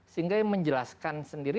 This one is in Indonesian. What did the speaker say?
sehingga yang menjelaskan sendiri